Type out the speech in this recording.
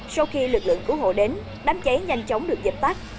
sau khi lực lượng cứu hộ đến đám cháy nhanh chóng được dập tắt